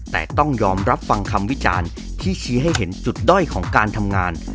แต่ต้องยอมรับฟังคำวิจารณ์ที่ชี้ให้เห็นจุดด้อยของการทำงาน